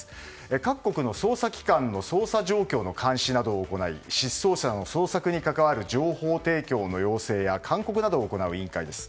各国の捜査機関の捜査状況の監視などを行い失踪者の捜索に関わる情報提供の要請や勧告などを行う委員会です。